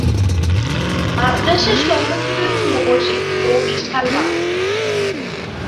মাদ্রাসার সম্মুখে রয়েছে মসজিদ ও বিশাল মাঠ।